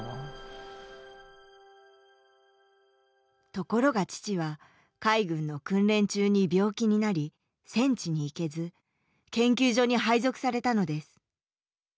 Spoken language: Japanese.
ところが父は海軍の訓練中に病気になり戦地に行けず研究所に配属されたのです。